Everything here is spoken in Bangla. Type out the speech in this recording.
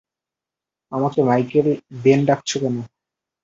আমাকে মাইকেল বেন ডাকছ কেন?